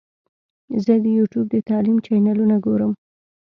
زه د یوټیوب د تعلیم چینلونه ګورم.